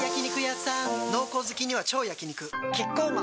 濃厚好きには超焼肉キッコーマン